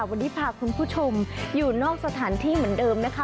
วันนี้พาคุณผู้ชมอยู่นอกสถานที่เหมือนเดิมนะคะ